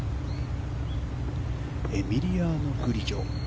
エミリアノ・グリジョ。